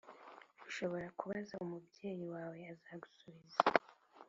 ushobora kubaza umubyeyi wawe, azagusubiza.